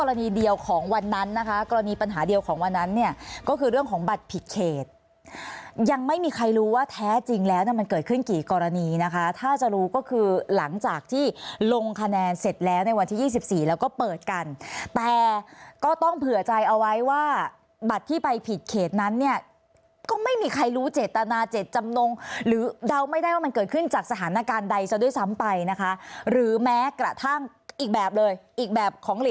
อย่างมีความสับสนเช่นให้บัตรเลิกตั้งหรือปกติที่แบบหลายอย่างมีความสับสนเช่นให้บัตรเลิกตั้งหรือปกติที่แบบหลายอย่างมีความสับสนเช่นให้บัตรเลิกตั้งหรือปกติที่แบบหลายอย่างมีความสับสนเช่นให้บัตรเลิกตั้งหรือปกติที่แบบหลายอย่างมีความสับสนเช่นให้บัตรเลิกตั้ง